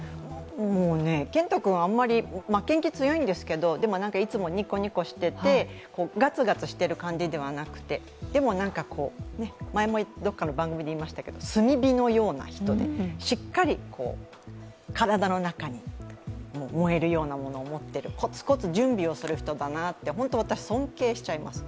もう健人君は負けん気が強いんですけれどもいつもニコニコしてて、ガツガツしてる感じではなくて、でも、前もどこかの番組でも言いましたけど炭火のような人でしっかり体の中に燃えるようなものを持っている、コツコツ準備をする人だなと、本当に私、尊敬しちゃいます。